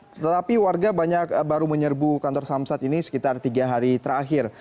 tetapi warga banyak baru menyerbu kantor samsat ini sekitar tiga hari terakhir